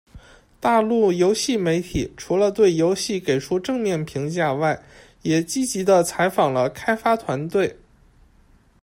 大陆游戏媒体除了对游戏给出正面评价外，也积极地采访了开发团队。